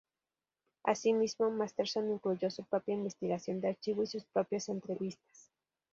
Asimismo, Masterson incluyó su propia investigación de archivo y sus propias entrevistas.